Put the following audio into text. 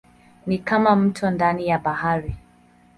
Ni kama mto ndani ya bahari.